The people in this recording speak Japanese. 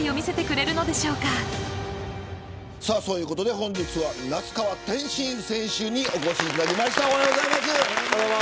本日は那須川天心選手にお越しいただきました。